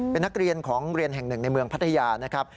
เป็นนักเรียนของเรียนแห่งหนึ่งในเมืองพัทยานะครับ